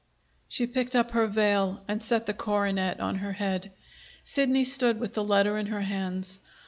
She picked up her veil and set the coronet on her head. Sidney stood with the letter in her hands.